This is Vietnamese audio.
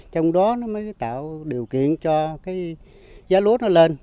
trong đó nó mới tạo điều kiện cho cái giá lúa nó lên